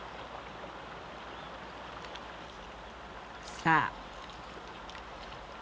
さあ。